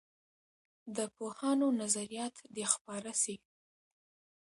د پوهانو نظریات دې خپاره سي.